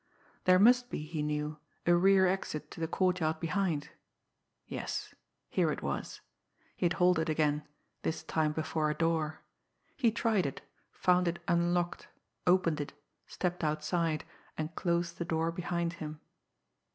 There must be, he knew, a rear exit to the courtyard behind. Yes here it was! He had halted again, this time before a door. He tried it, found it unlocked, opened it, stepped outside, and closed the door behind him.